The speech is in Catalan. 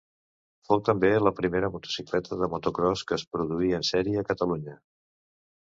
Fou també la primera motocicleta de motocròs que es produí en sèrie a Catalunya.